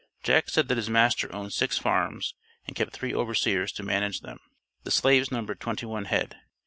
Jack said that his master owned six farms and kept three overseers to manage them. The slaves numbered twenty one head.